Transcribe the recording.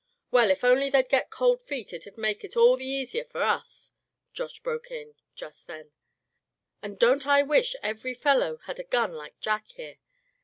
"Well, if only they'd get cold feet it'd make it all the easier for us," Josh broke in with, just then. "And don't I wish every fellow had a gun like Jack, here.